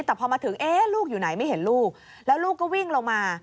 แต่พอมาถึงเอ๊ะลูกอยู่ไหนไม่เห็นลูกแล้วลูกก็วิ่งลงมา